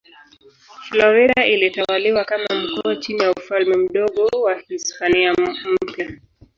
Florida ilitawaliwa kama mkoa chini ya Ufalme Mdogo wa Hispania Mpya.